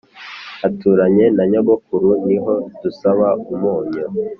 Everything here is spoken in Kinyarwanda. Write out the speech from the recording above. Aturanye na nyogokuru ni ho dusaba umunyu